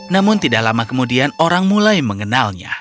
namun tidak lama kemudian orang mulai mengenalnya